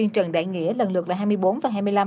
trần đại nghĩa lần lượt là hai mươi bốn và hai mươi năm